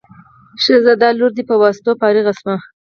ښه ځه دا لور دې په واسطو فارغه شو.